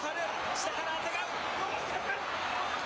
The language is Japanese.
下からあてがう。